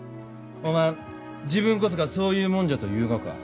おまん自分こそがそういう者じゃと言うがか？